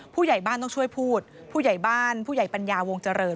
ผู้ใหญ่บ้านต้องช่วยพูดผู้ใหญ่บ้านผู้ใหญ่ปัญญาวงเจริญ